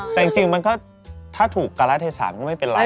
แต่จริงมันก็ถ้าถูกการาเทศะมันก็ไม่เป็นไร